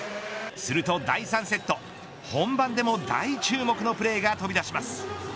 すると第３セット本番でも大注目のプレーが飛び出します。